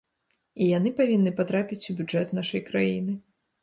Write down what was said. І яны павінны патрапіць у бюджэт нашай краіны.